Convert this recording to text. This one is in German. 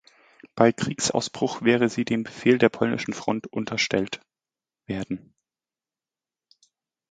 Bei Kriegsausbruch wäre sie dem Befehl der polnischen Front unterstellt werden.